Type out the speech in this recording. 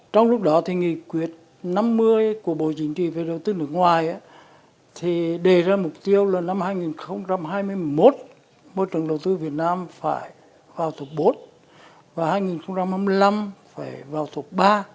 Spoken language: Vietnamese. trong lúc đó thì nghị quyết năm mươi của bộ chính trị về đầu tư nước ngoài thì đề ra mục tiêu là năm hai nghìn hai mươi một môi trường đầu tư việt nam phải vào thuộc bốn và hai nghìn hai mươi năm phải vào thuộc ba